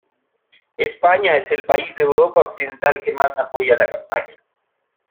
España es el país de Europa occidental que más apoya la campaña.